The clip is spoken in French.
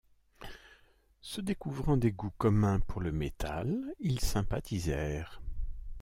Se découvrant des goûts communs pour le metal, ils sympathisèrent.